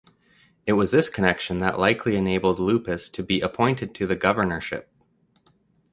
It was this connection that likely enabled Lupus to be appointed to the governorship.